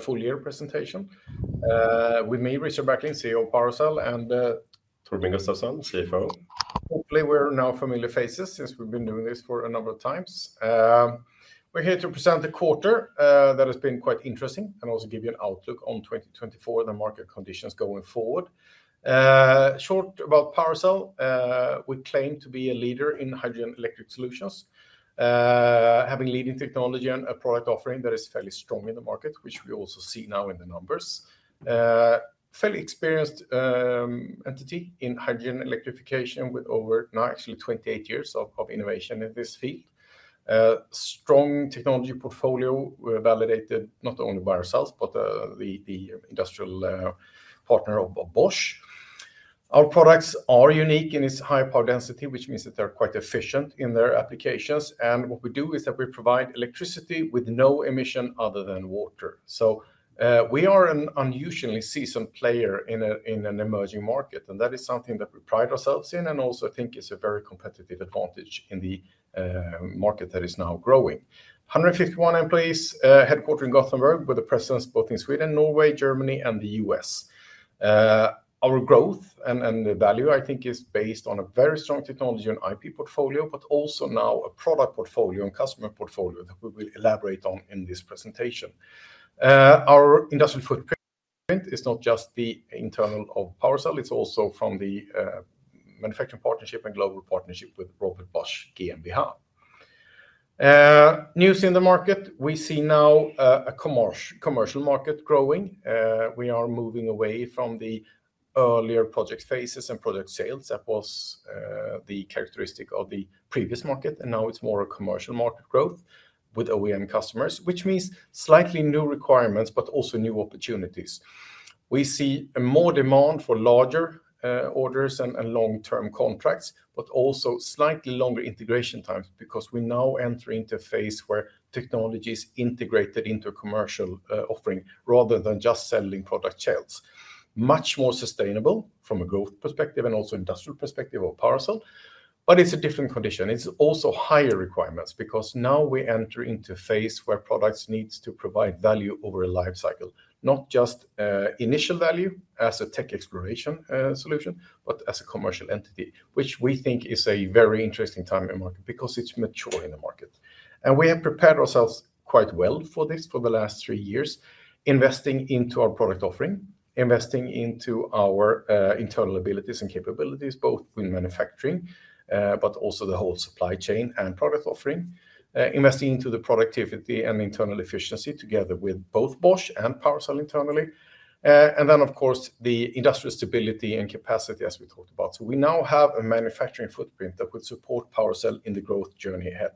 full year presentation. With me, Richard Berkling, CEO of PowerCell, and Torbjörn Gustafsson, CFO. Hopefully we're now familiar faces, since we've been doing this for a number of times. We're here to present the quarter that has been quite interesting, and also give you an outlook on 2024, the market conditions going forward. Short about PowerCell, we claim to be a leader in hydrogen electric solutions, having leading technology and a product offering that is fairly strong in the market, which we also see now in the numbers. Fairly experienced entity in hydrogen electrification, with over now actually 28 years of innovation in this field. Strong technology portfolio, validated not only by ourselves, but the industrial partner of Bosch. Our products are unique in its high power density, which means that they're quite efficient in their applications. What we do is that we provide electricity with no emission other than water. We are an unusually seasoned player in an emerging market, and that is something that we pride ourselves in and also think is a very competitive advantage in the market that is now growing. 151 employees, headquartered in Gothenburg, with a presence both in Sweden, Norway, Germany, and the U.S. Our growth and value, I think, is based on a very strong technology and IP portfolio, but also now a product portfolio and customer portfolio that we will elaborate on in this presentation. Our industrial footprint is not just the internal of PowerCell, it's also from the manufacturing partnership and global partnership with Robert Bosch GmbH. News in the market, we see now a commercial market growing. We are moving away from the earlier project phases and product sales. That was the characteristic of the previous market, and now it's more a commercial market growth with OEM customers, which means slightly new requirements, but also new opportunities. We see more demand for larger orders and, and long-term contracts, but also slightly longer integration times, because we now enter into a phase where technology is integrated into commercial offering, rather than just selling product sales. Much more sustainable from a growth perspective and also industrial perspective of PowerCell, but it's a different condition. It's also higher requirements, because now we enter into a phase where products needs to provide value over a life cycle, not just, initial value as a tech exploration, solution, but as a commercial entity, which we think is a very interesting time in the market, because it's mature in the market. We have prepared ourselves quite well for this for the last three years, investing into our product offering, investing into our, internal abilities and capabilities, both in manufacturing, but also the whole supply chain and product offering. Investing into the productivity and internal efficiency together with both Bosch and PowerCell internally. Of course, the industrial stability and capacity, as we talked about. We now have a manufacturing footprint that would support PowerCell in the growth journey ahead.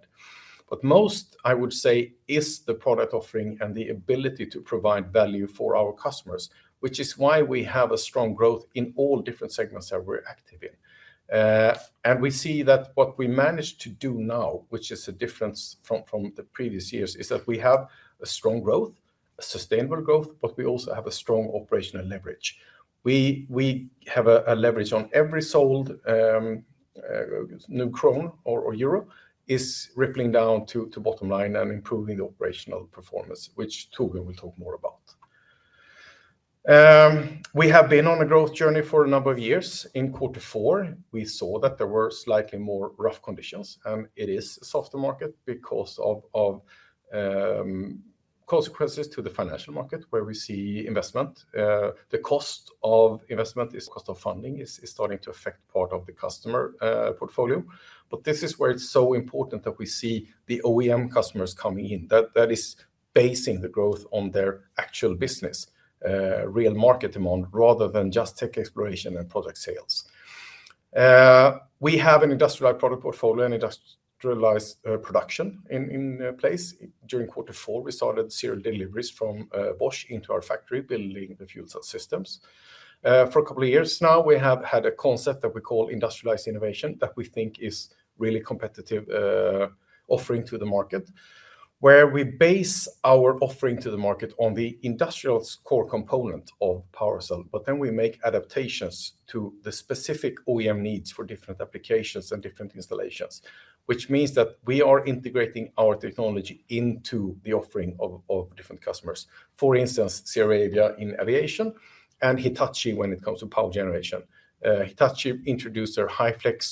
But most, I would say, is the product offering and the ability to provide value for our customers, which is why we have a strong growth in all different segments that we're active in. And we see that what we managed to do now, which is a difference from the previous years, is that we have a strong growth, a sustainable growth, but we also have a strong operational leverage. We have a leverage on every sold new krona or euro is rippling down to bottom line and improving the operational performance, which Torbjörn will talk more about. We have been on a growth journey for a number of years. In quarter four, we saw that there were slightly more rough conditions, and it is a softer market because of consequences to the financial market, where we see investment. The cost of investment is, cost of funding is, is starting to affect part of the customer, portfolio. But this is where it's so important that we see the OEM customers coming in, that, that is basing the growth on their actual business, real market demand, rather than just tech exploration and product sales. We have an industrialized product portfolio and industrialized, production in, in place. During quarter four, we started serial deliveries from, Bosch into our factory, building the fuel cell systems. For a couple of years now, we have had a concept that we call industrialized innovation, that we think is really competitive offering to the market, where we base our offering to the market on the industrial core component of PowerCell, but then we make adaptations to the specific OEM needs for different applications and different installations, which means that we are integrating our technology into the offering of different customers. For instance, ZeroAvia in aviation, and Hitachi when it comes to power generation. Hitachi introduced their HyFlex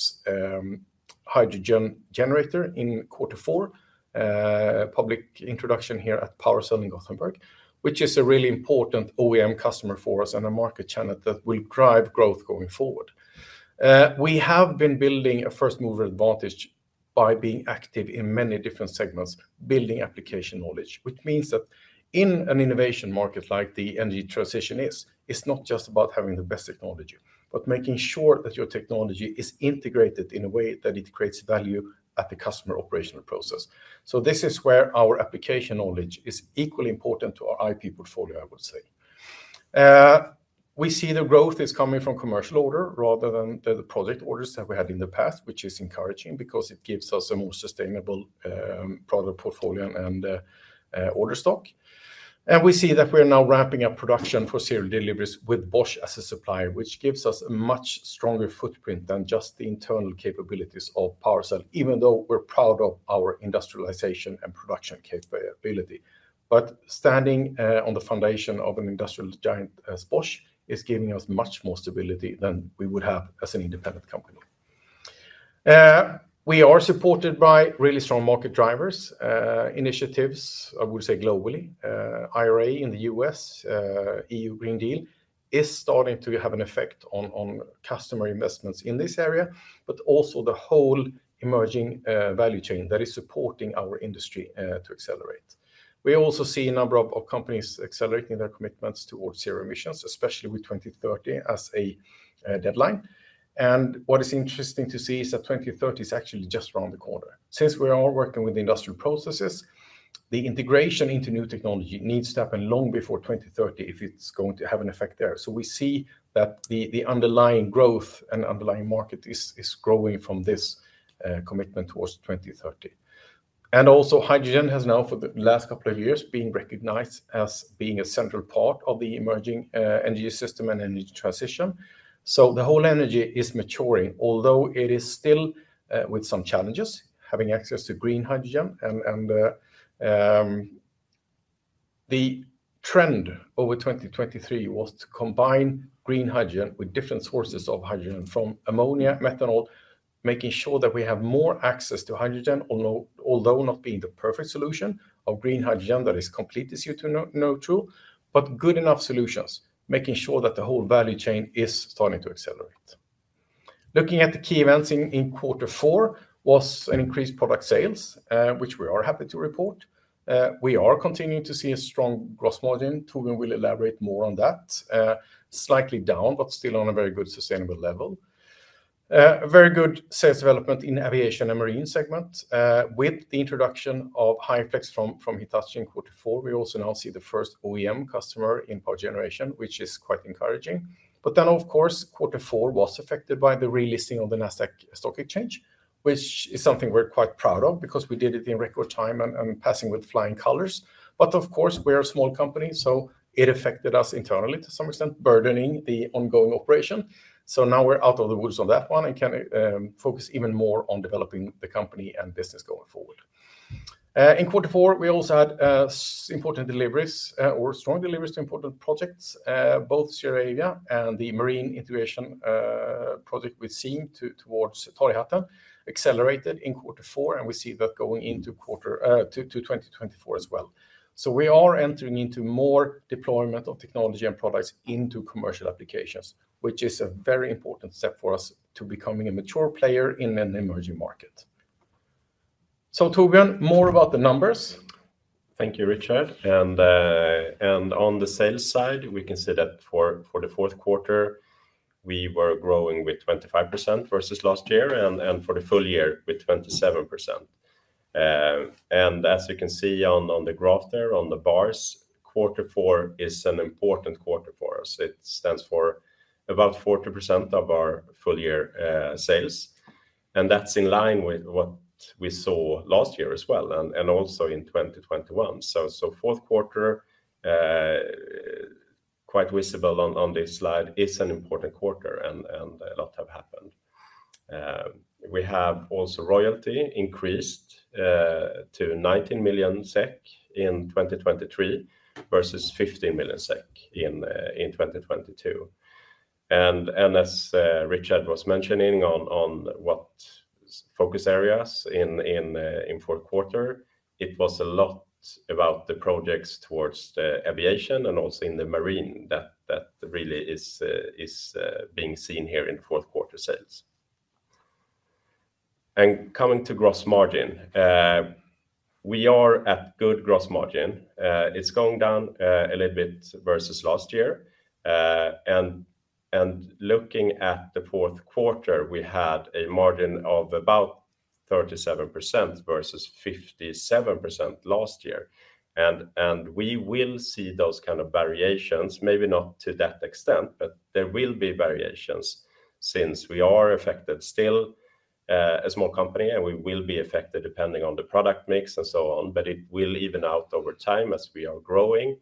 hydrogen generator in quarter four, public introduction here at PowerCell in Gothenburg, which is a really important OEM customer for us and a market channel that will drive growth going forward. We have been building a first mover advantage by being active in many different segments, building application knowledge, which means that in an innovation market like the energy transition is, it's not just about having the best technology, but making sure that your technology is integrated in a way that it creates value at the customer operational process. So this is where our application knowledge is equally important to our IP portfolio, I would say. We see the growth is coming from commercial order rather than the project orders that we had in the past, which is encouraging because it gives us a more sustainable product portfolio and order stock. We see that we're now ramping up production for serial deliveries with Bosch as a supplier, which gives us a much stronger footprint than just the internal capabilities of PowerCell, even though we're proud of our industrialization and production capability. Standing on the foundation of an industrial giant as Bosch is giving us much more stability than we would have as an independent company. We are supported by really strong market drivers, initiatives, I would say globally. IRA in the U.S., EU Green Deal is starting to have an effect on customer investments in this area, but also the whole emerging value chain that is supporting our industry to accelerate. We also see a number of companies accelerating their commitments towards zero emissions, especially with 2030 as a deadline. What is interesting to see is that 2030 is actually just around the corner. Since we are all working with industrial processes, the integration into new technology needs to happen long before 2030 if it's going to have an effect there. We see that the, the underlying growth and underlying market is, is growing from this, commitment towards 2030. And also, hydrogen has now, for the last couple of years, been recognized as being a central part of the emerging, energy system and energy transition. The whole energy is maturing, although it is still, with some challenges, having access to green hydrogen. The trend over 2023 was to combine green hydrogen with different sources of hydrogen, from ammonia, methanol, making sure that we have more access to hydrogen, although not being the perfect solution of green hydrogen that is completely CO2 net neutral, but good enough solutions, making sure that the whole value chain is starting to accelerate. Looking at the key events in quarter four was an increased product sales, which we are happy to report. We are continuing to see a strong gross margin. Torbjörn will elaborate more on that. Slightly down, but still on a very good, sustainable level. A very good sales development in aviation and marine segment, with the introduction of HyFlex from Hitachi in quarter four. We also now see the first OEM customer in power generation, which is quite encouraging. But then, of course, quarter four was affected by the relisting of the NASDAQ Stock Exchange, which is something we're quite proud of because we did it in record time and passing with flying colors. But of course, we are a small company, so it affected us internally to some extent, burdening the ongoing operation. So now we're out of the woods on that one and can focus even more on developing the company and business going forward. In quarter four, we also had important deliveries or strong deliveries to important projects. Both ZeroAvia and the marine integration project with SEAM towards Torghatten accelerated in quarter four, and we see that going into quarter two to 2024 as well. We are entering into more deployment of technology and products into commercial applications, which is a very important step for us to becoming a mature player in an emerging market. Torbjörn, more about the numbers. Thank you, Richard. On the sales side, we can see that for the fourth quarter, we were growing with 25% versus last year, and for the full year with 27%. And as you can see on the graph there, on the bars, quarter four is an important quarter for us. It stands for about 40% of our full year sales, and that's in line with what we saw last year as well, and also in 2021. So fourth quarter, quite visible on this slide, is an important quarter and a lot have happened. We have also royalty increased to 19 million SEK in 2023, versus 15 million SEK in 2022. As Richard was mentioning, on what focus areas in fourth quarter, it was a lot about the projects towards the aviation and also in the marine that really is being seen here in fourth quarter sales. Coming to Gross Margin, we are at good Gross Margin. It's going down a little bit versus last year. Looking at the fourth quarter, we had a margin of about 37% versus 57% last year. We will see those kind of variations, maybe not to that extent, but there will be variations since we are affected still a small company, and we will be affected depending on the product mix and so on. But it will even out over time as we are growing,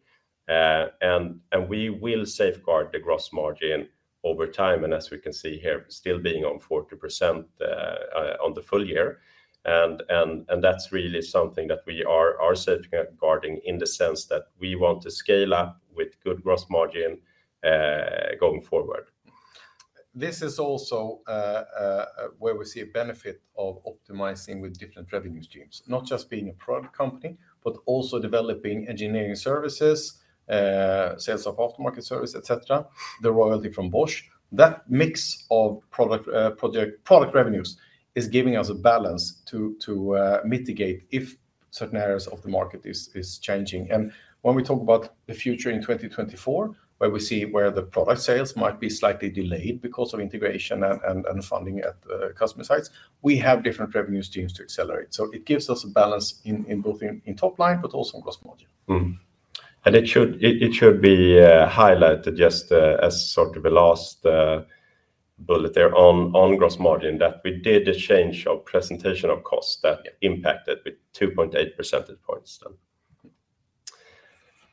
and we will safeguard the gross margin over time. And as we can see here, still being on 40%, on the full year. And that's really something that we are safeguarding in the sense that we want to scale up with good gross margin, going forward. This is also where we see a benefit of optimizing with different revenue streams. Not just being a product company, but also developing engineering services, sales of aftermarket service, et cetera, the royalty from Bosch. That mix of product, project, product revenues is giving us a balance to mitigate if certain areas of the market is changing. And when we talk about the future in 2024, where we see the product sales might be slightly delayed because of integration and funding at customer sites, we have different revenue streams to accelerate. So it gives us a balance in both top line, but also in gross margin. Mm-hmm. And it should be highlighted just as sort of a last bullet there on gross margin, that we did a change of presentation of cost that impacted with 2.8 percentage points then.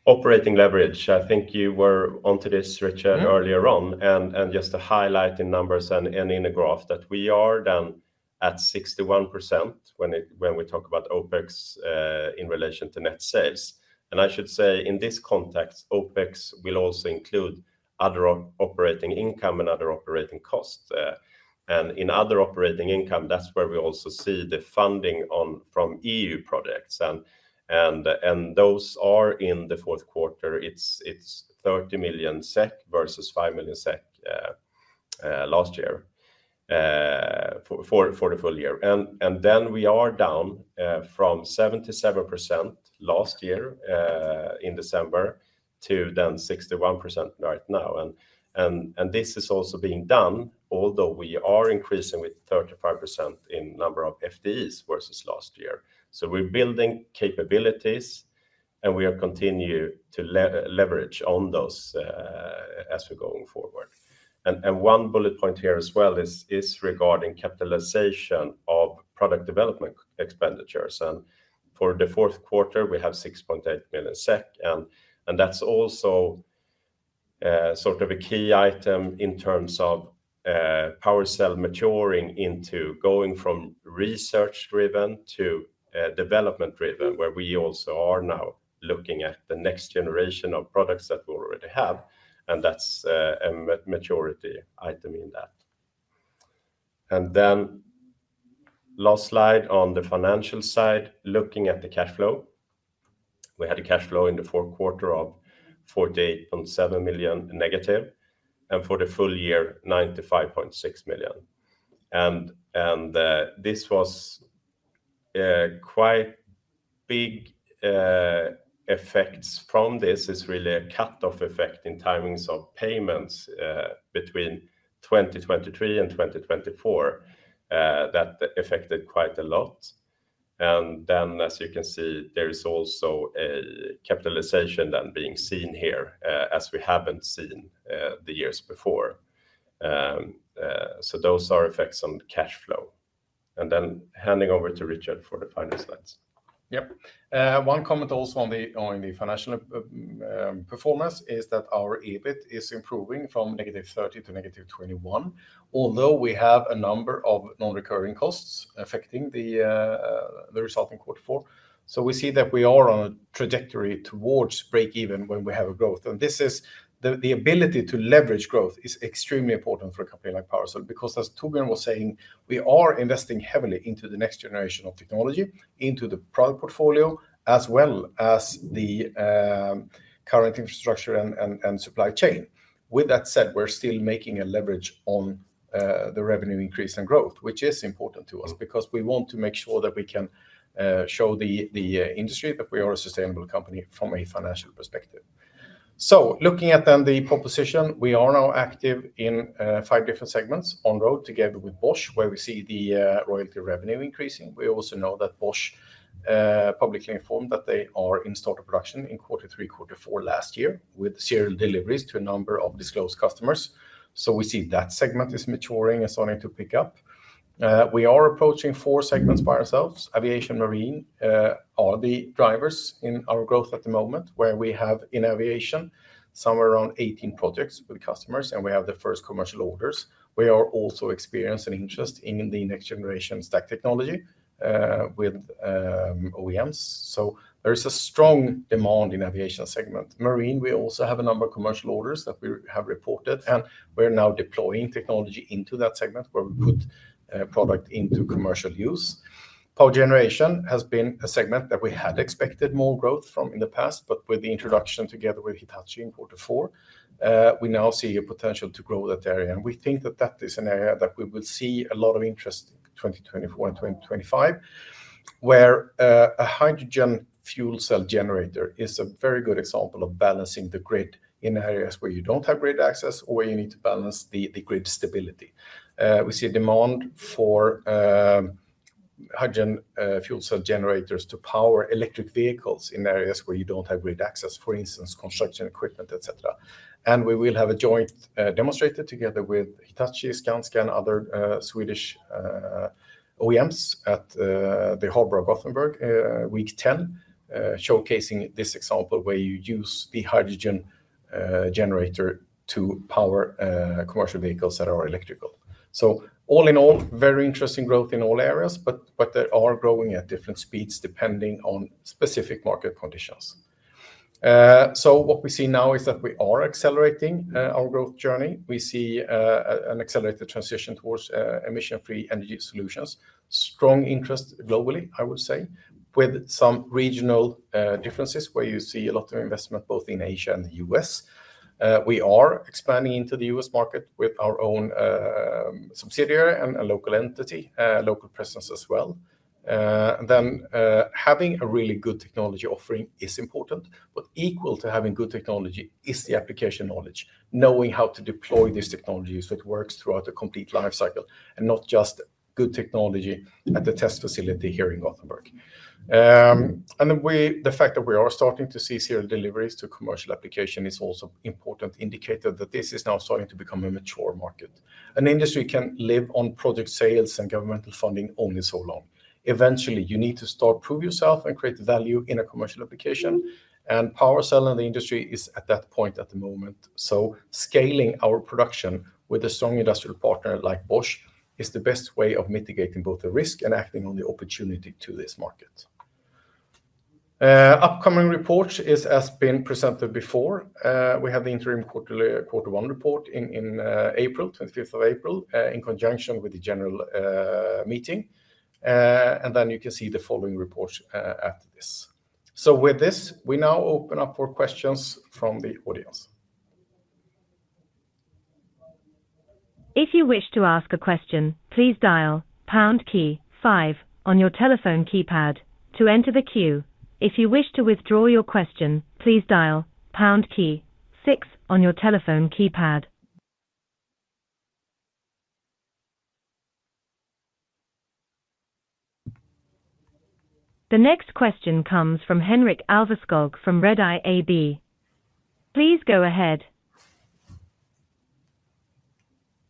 Operating leverage, I think you were onto this, Richard, earlier on, and just to highlight in numbers and in the graph, that we are down at 61% when we talk about OpEx in relation to net sales. And I should say, in this context, OpEx will also include other operating income and other operating costs. And in other operating income, that's where we also see the funding from EU projects. And those are in the fourth quarter. It's 30 million SEK versus 5 million SEK last year for the full year. Then we are down from 77% last year in December to then 61% right now. This is also being done, although we are increasing with 35% in number of FTEs versus last year. So we're building capabilities, and we are continue to leverage on those as we're going forward. One bullet point here as well is regarding capitalization of product development expenditures. For the fourth quarter, we have 6.8 million SEK, and that's also sort of a key item in terms of PowerCell maturing into going from research-driven to development-driven, where we also are now looking at the next generation of products that we already have, and that's a maturity item in that. Then last slide on the financial side, looking at the cash flow. We had a cash flow in the fourth quarter of -48.7 million, and for the full year, -95.6 million. This was quite big effects from this is really a cut-off effect in timings of payments between 2023 and 2024. That affected quite a lot. Then, as you can see, there is also a capitalization then being seen here, as we haven't seen the years before. So those are effects on cash flow. Then handing over to Richard for the final slides. Yep. One comment also on the financial performance is that our EBIT is improving from -30 SEK to -21 SEK, although we have a number of non-recurring costs affecting the result in quarter four. So we see that we are on a trajectory towards break even when we have a growth, and this is... The ability to leverage growth is extremely important for a company like PowerCell, because as Torbjörn was saying, we are investing heavily into the next generation of technology, into the product portfolio, as well as the current infrastructure and supply chain. With that said, we're still making a leverage on the revenue increase and growth, which is important to us because we want to make sure that we can show the industry that we are a sustainable company from a financial perspective. So looking at then the proposition, we are now active in 5 different segments. On-road, together with Bosch, where we see the royalty revenue increasing. We also know that Bosch publicly informed that they are in start of production in quarter three, quarter four last year, with serial deliveries to a number of disclosed customers. So we see that segment is maturing and starting to pick up. We are approaching 4 segments by ourselves. Aviation, Marine are the drivers in our growth at the moment, where we have, in aviation, somewhere around 18 projects with customers, and we have the first commercial orders. We are also experiencing interest in the next-generation stack technology with OEMs. So there is a strong demand in aviation segment. Marine, we also have a number of commercial orders that we have reported, and we're now deploying technology into that segment, where we put product into commercial use. Power generation has been a segment that we had expected more growth from in the past, but with the introduction together with Hitachi in quarter four, we now see a potential to grow that area. And we think that that is an area that we will see a lot of interest in 2024 and 2025, where a hydrogen fuel cell generator is a very good example of balancing the grid in areas where you don't have grid access or where you need to balance the grid stability. We see a demand for hydrogen fuel cell generators to power electric vehicles in areas where you don't have grid access, for instance, construction equipment, et cetera. We will have a joint demonstrator together with Hitachi, Skanska, and other Swedish OEMs at the harbor of Gothenburg week 10 showcasing this example where you use the hydrogen generator to power commercial vehicles that are electrical. So all in all, very interesting growth in all areas, but they are growing at different speeds depending on specific market conditions. What we see now is that we are accelerating our growth journey. We see an accelerated transition towards emission-free energy solutions. Strong interest globally, I would say, with some regional differences, where you see a lot of investment both in Asia and the U.S. We are expanding into the U.S. market with our own subsidiary and a local entity, local presence as well. Then, having a really good technology offering is important, but equal to having good technology is the application knowledge, knowing how to deploy these technologies so it works throughout the complete life cycle, and not just good technology at the test facility here in Gothenburg. And the fact that we are starting to see serial deliveries to commercial application is also important indicator that this is now starting to become a mature market. An industry can live on project sales and governmental funding only so long. Eventually, you need to start, prove yourself and create value in a commercial application, and PowerCell and the industry is at that point at the moment. So scaling our production with a strong industrial partner like Bosch is the best way of mitigating both the risk and acting on the opportunity to this market. Upcoming reports is as been presented before. We have the interim quarterly quarter one report in April 25 in conjunction with the general meeting. And then you can see the following report after this. So with this, we now open up for questions from the audience. If you wish to ask a question, please dial pound key five on your telephone keypad to enter the queue. If you wish to withdraw your question, please dial pound key six on your telephone keypad. The next question comes from Henrik Alveskog from Redeye AB. Please go ahead.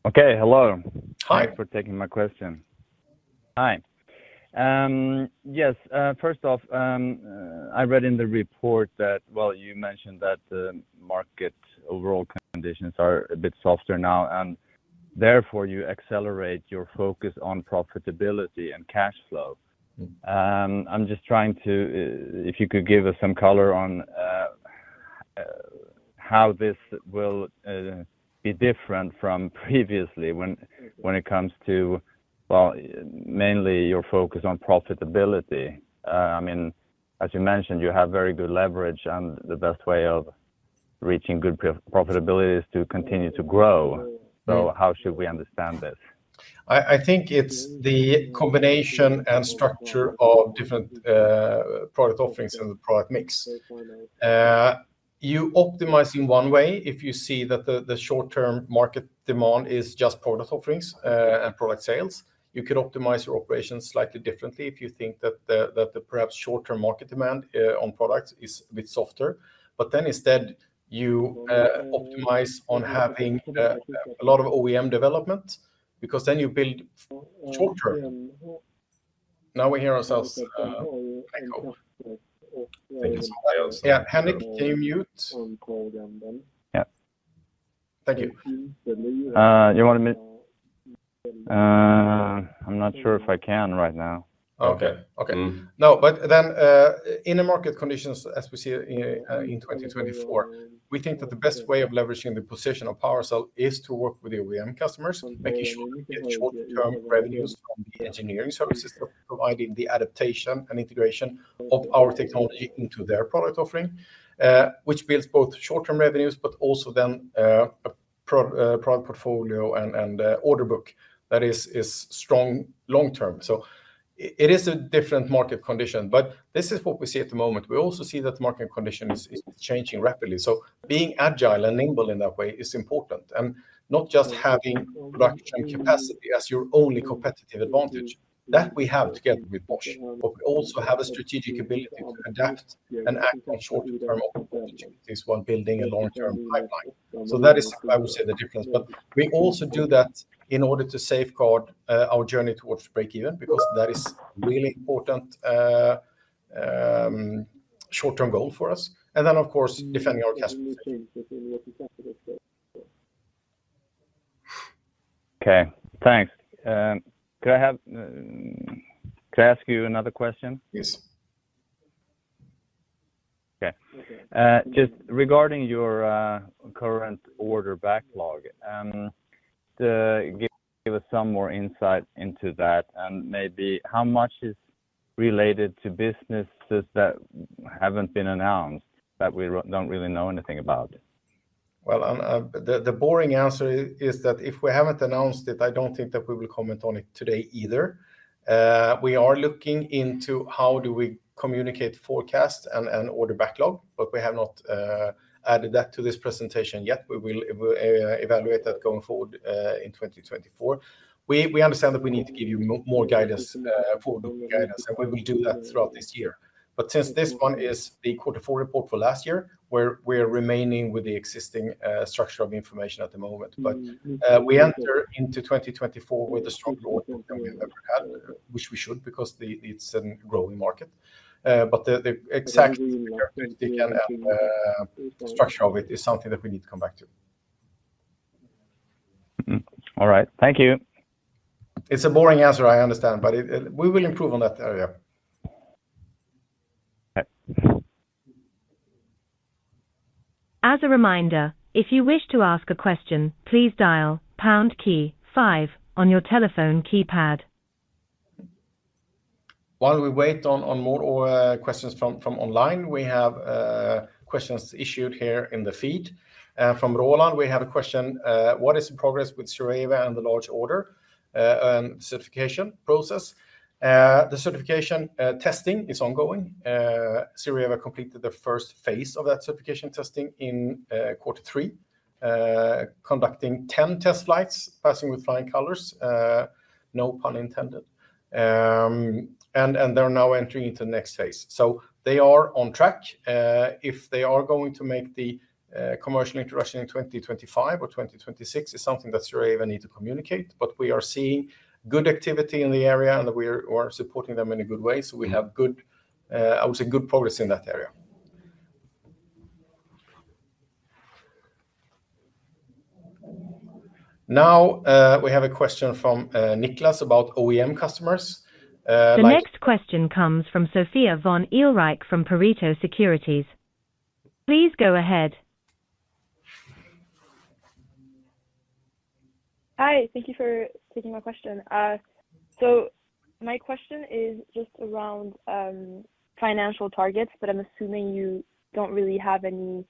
Okay. Hello. Hi. Thanks for taking my question. Hi. Yes, first off, I read in the report that... Well, you mentioned that the market overall conditions are a bit softer now, and therefore you accelerate your focus on profitability and cash flow. I'm just trying to, if you could give us some color on, how this will be different from previously, when it comes to, well, mainly your focus on profitability? I mean, as you mentioned, you have very good leverage, and the best way of reaching good profitability is to continue to grow. So how should we understand this? I think it's the combination and structure of different product offerings and the product mix. You optimize in one way if you see that the short-term market demand is just product offerings and product sales. You could optimize your operations slightly differently if you think that the perhaps shorter market demand on products is a bit softer, but then instead you optimize on having a lot of OEM development, because then you build short term. Now we hear ourselves echo. Yeah, Henrik, can you mute? Yeah. Thank you. You want me to? I'm not sure if I can right now. Okay. Okay. Mm. No, but then, in the market conditions, as we see in 2024, we think that the best way of leveraging the position of PowerCell is to work with the OEM customers, making sure we get short-term revenues from the engineering services, providing the adaptation and integration of our technology into their product offering, which builds both short-term revenues, but also then, a product portfolio and order book that is strong long term. So it is a different market condition, but this is what we see at the moment. We also see that the market condition is changing rapidly, so being agile and nimble in that way is important, and not just having production capacity as your only competitive advantage. That we have together with Bosch, but we also have a strategic ability to adapt and act on short-term opportunities while building a long-term pipeline. So that is, I would say, the difference. But we also do that in order to safeguard our journey towards break-even, because that is really important short-term goal for us, and then, of course, defending our customers. Okay, thanks. Could I have, could I ask you another question? Yes. Okay. Okay. Just regarding your current order backlog, could give us some more insight into that, and maybe how much is related to businesses that haven't been announced, that we don't really know anything about? Well, the boring answer is that if we haven't announced it, I don't think that we will comment on it today either. We are looking into how do we communicate forecasts and order backlog, but we have not added that to this presentation yet. We will evaluate that going forward in 2024. We understand that we need to give you more guidance, forward guidance, and we will do that throughout this year. But since this one is the quarter four report for last year, we're remaining with the existing structure of information at the moment. But we enter into 2024 with a strong order than we ever had, which we should, because it's a growing market. But the exact characteristic and structure of it is something that we need to come back to. Mm-hmm. All right. Thank you. It's a boring answer, I understand, but it... We will improve on that area. Okay. As a reminder, if you wish to ask a question, please dial pound key five on your telephone keypad. While we wait on more questions from online, we have questions issued here in the feed. From Roland, we have a question: "What is the progress with ZeroAvia and the large order and certification process?" The certification testing is ongoing. ZeroAvia completed the first phase of that certification testing in quarter three, conducting 10 test flights, passing with flying colors, no pun intended. And they're now entering into the next phase. So they are on track. If they are going to make the commercial introduction in 2025 or 2026, is something that ZeroAvia need to communicate, but we are seeing good activity in the area, and we're supporting them in a good way. So we have good, I would say good progress in that area. Now, we have a question from, Nicholas about OEM customers, like- The next question comes fromSofia von der Weid from Pareto Securities. Please go ahead. Hi, thank you for taking my question. So my question is just around financial targets, but I'm assuming you don't really have any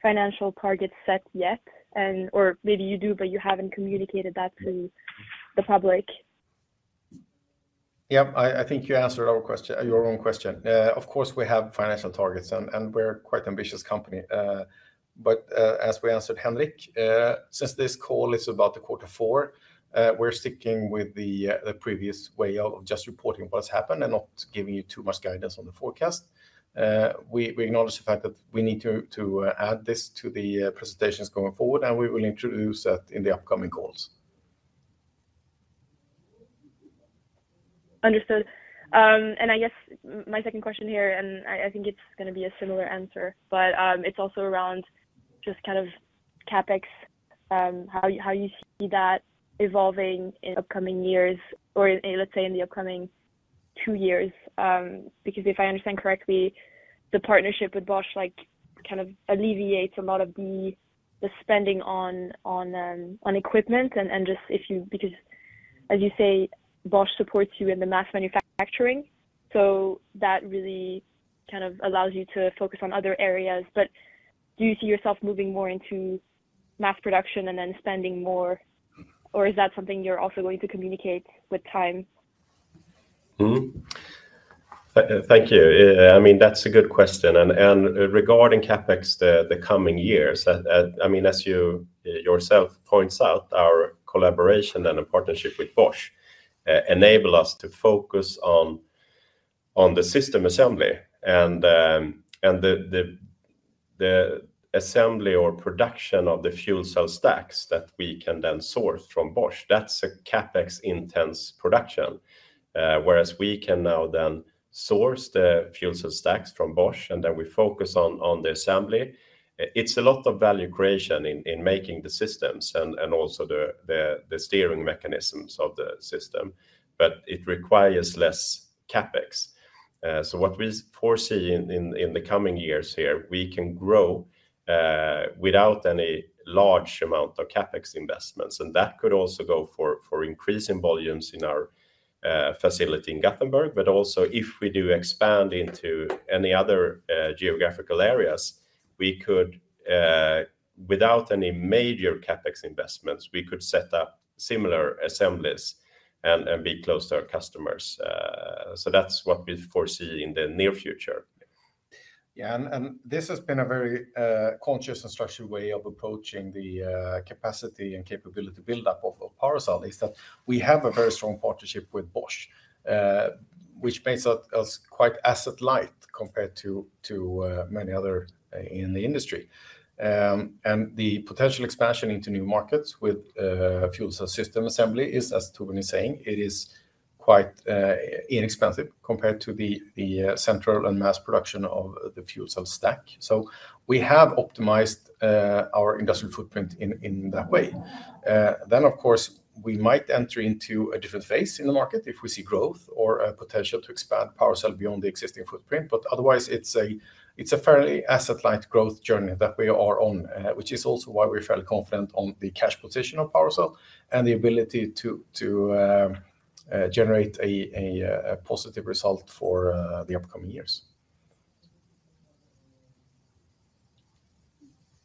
financial targets set yet, and or maybe you do, but you haven't communicated that to the public. Yep, I, I think you answered our question, your own question. Of course, we have financial targets, and, and we're quite ambitious company. But, as we answered Henrik, since this call is about the quarter four, we're sticking with the, the previous way of just reporting what has happened and not giving you too much guidance on the forecast. We, we acknowledge the fact that we need to, to, add this to the, presentations going forward, and we will introduce that in the upcoming calls. Understood. I guess my second question here, and I think it's gonna be a similar answer, but it's also around just kind of CapEx, how you see that evolving in upcoming years or in, let's say, in the upcoming two years? Because if I understand correctly, the partnership with Bosch like kind of alleviates a lot of the spending on equipment and just, because as you say, Bosch supports you in the mass manufacturing, so that really kind of allows you to focus on other areas. But do you see yourself moving more into mass production and then spending more, or is that something you're also going to communicate with time? Mm-hmm. Thank you. I mean, that's a good question. And regarding CapEx the coming years, I mean, as you yourself points out, our collaboration and partnership with Bosch enable us to focus on the system assembly and the assembly or production of the fuel cell stacks that we can then source from Bosch. That's a CapEx-intense production, whereas we can now then source the fuel cell stacks from Bosch, and then we focus on the assembly. It's a lot of value creation in making the systems and also the steering mechanisms of the system, but it requires less CapEx. So what we foresee in the coming years here, we can grow without any large amount of CapEx investments, and that could also go for increasing volumes in our facility in Gothenburg. But also if we do expand into any other geographical areas, we could without any major CapEx investments, we could set up similar assemblies and be close to our customers. So that's what we foresee in the near future. Yeah, and, and this has been a very, conscious and structured way of approaching the, capacity and capability build-up of, of PowerCell, is that we have a very strong partnership with Bosch, which makes us, us quite asset light compared to, to, many other in the industry. And the potential expansion into new markets with, fuel cell system assembly is, as Torbjörn is saying, it is quite, inexpensive compared to the, the, central and mass production of the fuel cell stack. So we have optimized, our industrial footprint in, in that way. Then, of course, we might enter into a different phase in the market if we see growth or a potential to expand PowerCell beyond the existing footprint. But otherwise, it's a fairly asset-light growth journey that we are on, which is also why we feel confident on the cash position of PowerCell and the ability to generate a positive result for the upcoming years.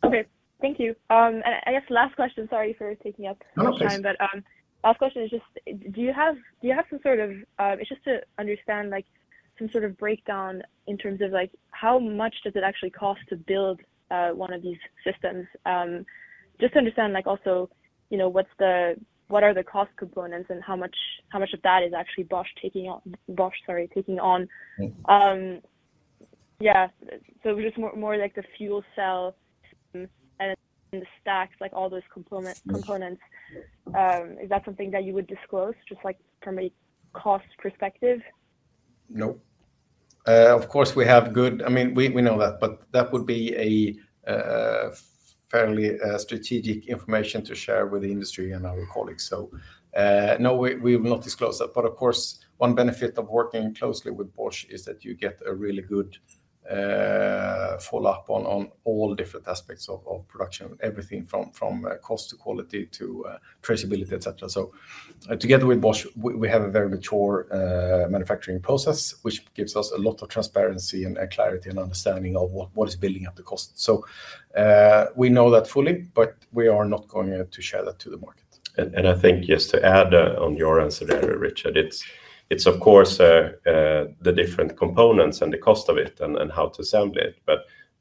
Okay, thank you. I guess last question, sorry for taking up- No, please. -a lot of time. But, last question is just, do you have, do you have some sort of, just to understand, like some sort of breakdown in terms of like, how much does it actually cost to build, one of these systems? Just to understand, like also, you know, what's the- what are the cost components and how much, how much of that is actually Bosch taking on, Bosch, sorry, taking on? Mm-hmm. Yeah, so just more like the fuel cell and the stacks, like all those components. Mm-hmm. Is that something that you would disclose, just like from a cost perspective? No. Of course, we have good... I mean, we know that, but that would be a fairly strategic information to share with the industry and our colleagues. So, no, we will not disclose that. But of course, one benefit of working closely with Bosch is that you get a really good follow-up on all different aspects of production, everything from cost to quality to traceability, et cetera. So together with Bosch, we have a very mature manufacturing process, which gives us a lot of transparency and clarity and understanding of what is building up the cost. So, we know that fully, but we are not going to share that to the market. And I think just to add on your answer there, Richard, it's of course the different components and the cost of it and how to assemble it. But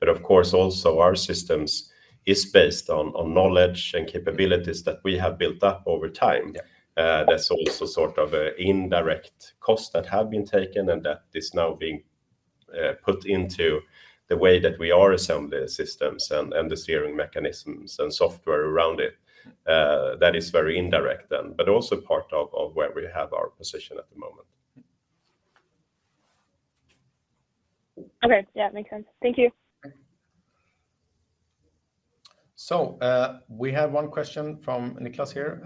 of course, also our systems is based on knowledge and capabilities that we have built up over time. Yeah. That's also sort of an indirect cost that have been taken and that is now being put into the way that we are assembling the systems and the steering mechanisms and software around it. That is very indirect then, but also part of where we have our position at the moment.... Okay, yeah, makes sense. Thank you. So, we have one question from Nicholas here,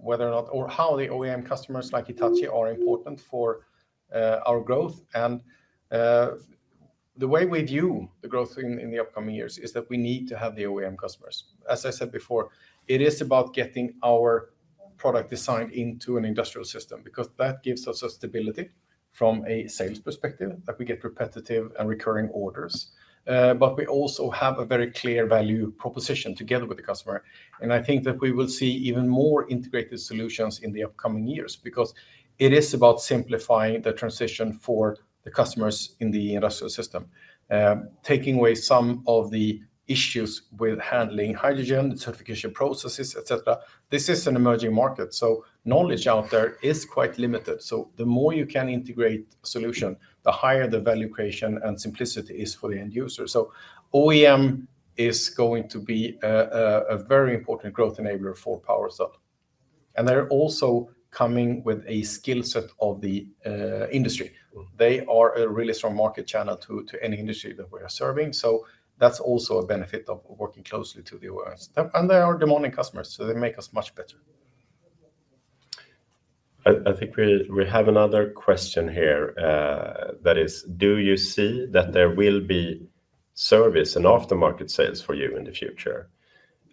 whether or not or how the OEM customers like Hitachi are important for our growth and the way we view the growth in the upcoming years is that we need to have the OEM customers. As I said before, it is about getting our product designed into an industrial system, because that gives us a stability from a sales perspective, that we get repetitive and recurring orders. But we also have a very clear value proposition together with the customer, and I think that we will see even more integrated solutions in the upcoming years because it is about simplifying the transition for the customers in the industrial system. Taking away some of the issues with handling hydrogen, the certification processes, et cetera. This is an emerging market, so knowledge out there is quite limited. The more you can integrate solution, the higher the value creation and simplicity is for the end user. OEM is going to be a very important growth enabler for PowerCell. They're also coming with a skill set of the industry. They are a really strong market channel to any industry that we are serving, so that's also a benefit of working closely to the OEMs. They are demanding customers, so they make us much better. I think we have another question here, that is: do you see that there will be service and aftermarket sales for you in the future?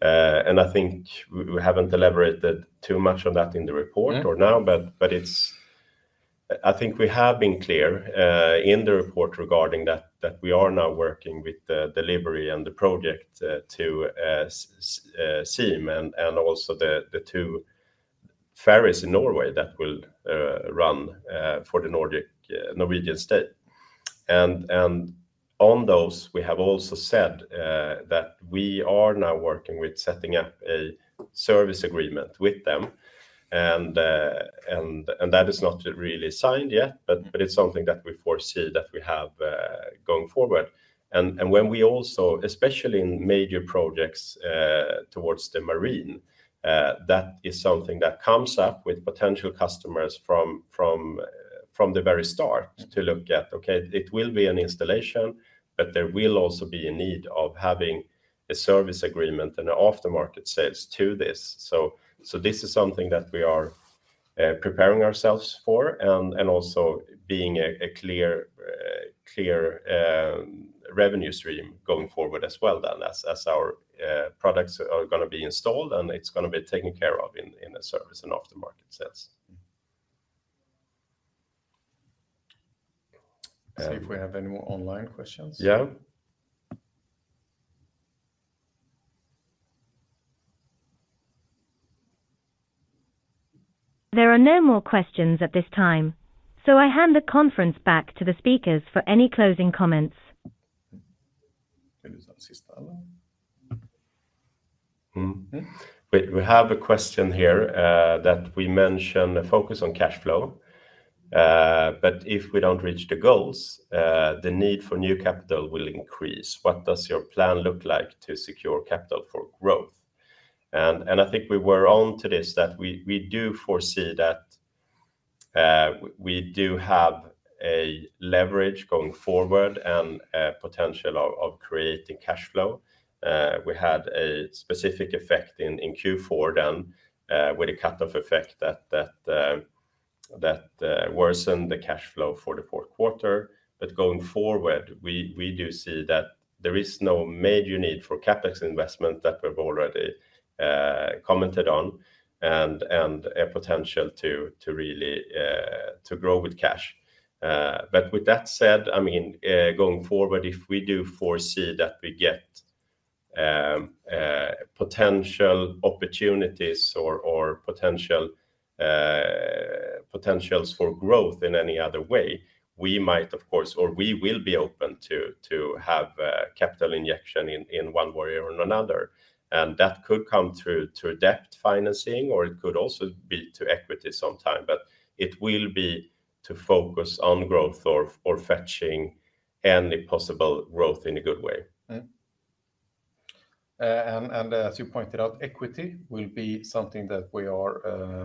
And I think we haven't elaborated too much on that in the report or now, but it's. I think we have been clear in the report regarding that, that we are now working with the delivery and the project to SEAM and also the two ferries in Norway that will run for Torghatten Nord, the Norwegian state. And on those, we have also said that we are now working with setting up a service agreement with them, and that is not really signed yet, but it's something that we foresee that we have going forward. When we also, especially in major projects, towards the marine, that is something that comes up with potential customers from the very start to look at, okay, it will be an installation, but there will also be a need of having a service agreement and aftermarket sales to this. So this is something that we are preparing ourselves for, and also being a clear revenue stream going forward as well then, as our products are gonna be installed, and it's gonna be taken care of in a service and aftermarket sales. See if we have any more online questions. Yeah. There are no more questions at this time, so I hand the conference back to the speakers for any closing comments. There is an sista alors. Mm-hmm. We have a question here that we mention a focus on cash flow, but if we don't reach the goals, the need for new capital will increase. What does your plan look like to secure capital for growth? And I think we were on to this, that we do foresee that we do have a leverage going forward and a potential of creating cash flow. We had a specific effect in Q4 then with a cut-off effect that worsened the cash flow for the fourth quarter. But going forward, we do see that there is no major need for CapEx investment that we've already commented on, and a potential to really grow with cash. But with that said, I mean, going forward, if we do foresee that we get potential opportunities or, or potential potentials for growth in any other way, we might, of course, or we will be open to, to have capital injection in, in one way or another. And that could come through to a debt financing, or it could also be to equity sometime, but it will be to focus on growth or, or fetching any possible growth in a good way. Mm-hmm. And as you pointed out, equity will be something that we are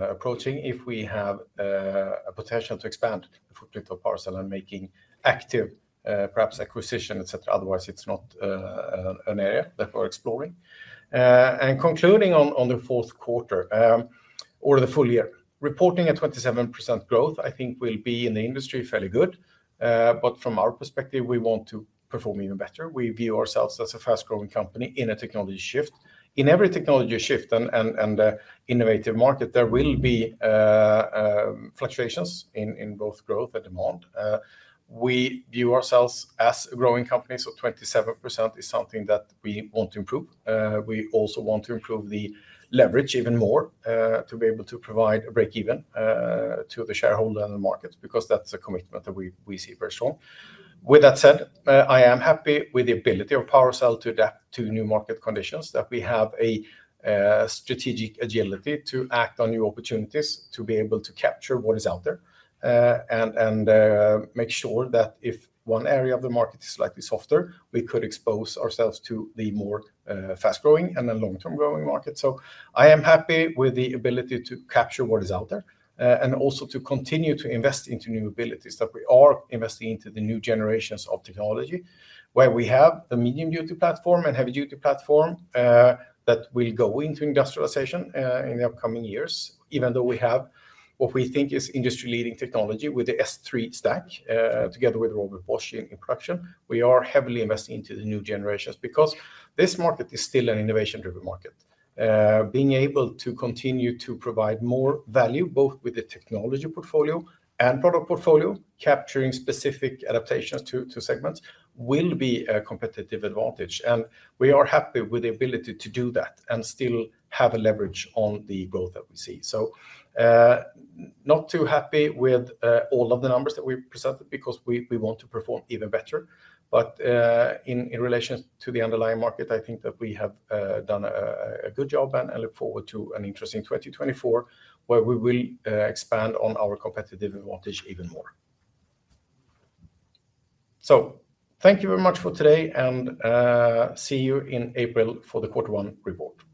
approaching if we have a potential to expand the footprint of PowerCell and making active, perhaps acquisition, et cetera. Otherwise, it's not an area that we're exploring. And concluding on the fourth quarter or the full year, reporting a 27% growth, I think will be in the industry fairly good. But from our perspective, we want to perform even better. We view ourselves as a fast-growing company in a technology shift. In every technology shift and innovative market, there will be fluctuations in both growth and demand. We view ourselves as a growing company, so 27% is something that we want to improve. We also want to improve the leverage even more, to be able to provide a break even, to the shareholder and the market, because that's a commitment that we see very strong. With that said, I am happy with the ability of PowerCell to adapt to new market conditions, that we have a strategic agility to act on new opportunities, to be able to capture what is out there, and make sure that if one area of the market is slightly softer, we could expose ourselves to the more fast-growing and the long-term growing market. So I am happy with the ability to capture what is out there, and also to continue to invest into new abilities that we are investing into the new generations of technology, where we have the medium-duty platform and heavy-duty platform that will go into industrialization in the upcoming years, even though we have what we think is industry-leading technology with the S3 Stack together with Robert Bosch in production. We are heavily investing into the new generations because this market is still an innovation-driven market. Being able to continue to provide more value, both with the technology portfolio and product portfolio, capturing specific adaptations to segments, will be a competitive advantage, and we are happy with the ability to do that and still have a leverage on the growth that we see. So, not too happy with all of the numbers that we presented because we, we want to perform even better. But, in relation to the underlying market, I think that we have done a good job, and I look forward to an interesting 2024, where we will expand on our competitive advantage even more. So thank you very much for today, and see you in April for the quarter one report.